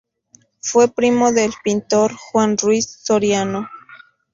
Fue primo del pintor Juan Ruiz Soriano.